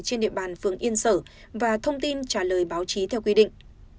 trên địa bàn phường yên sở và thông tin trả lời báo chí theo quy định